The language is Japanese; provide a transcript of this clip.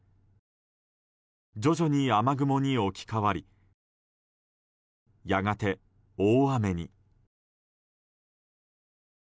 徐々に雨雲に置き換わりやがて、大雨に。